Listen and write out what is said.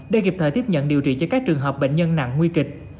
để kịp thời tiếp nhận điều trị cho các trường hợp bệnh nhân nặng nguy kịch